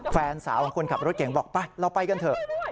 แฟนสาวของคนขับรถเก่งบอกไปเราไปกันเถอะ